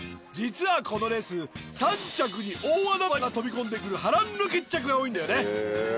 実はこのレース３着に大穴馬が飛び込んでくる波乱の決着が多いんだよね。